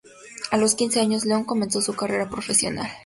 A los quince años León comenzó su carrera profesional.